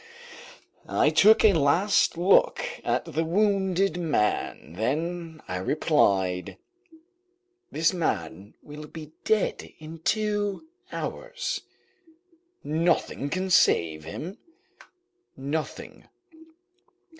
I took a last look at the wounded man, then I replied: "This man will be dead in two hours." "Nothing can save him?" "Nothing."